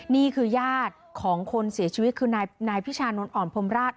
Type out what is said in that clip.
นี่คือญาติของคนเสียชีวิตคือนายพิชานนท์อ่อนพรมราช